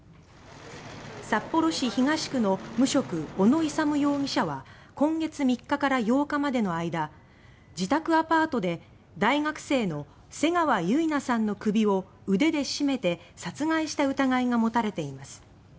札幌市東区の無職小野勇容疑者は今月３日から８日までの間自宅アパートで大学生の瀬川結菜さんの首を腕で絞めて殺害した疑いが持たれています。